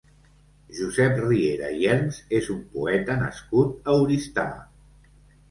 Josep Riera i Herms és un poeta nascut a Oristà.